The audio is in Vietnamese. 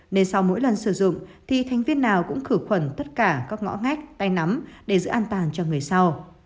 nên sau mỗi lần sử dụng thì thành viên nào cũng khử khuẩn tất cả các ngõ ngách tay nắm để giữ an toàn cho người sau